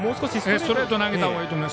ストレートを投げたほうがいいと思います。